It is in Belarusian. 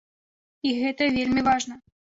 І гэта вельмі важна.